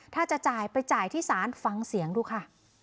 ถ้าจะจ่ายไปจ่ายที่ศาลฟังเสียงดูค่ะ